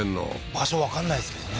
場所わかんないですもんね